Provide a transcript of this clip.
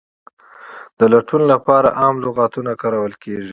د لټون لپاره عام لغتونه کارول کیږي.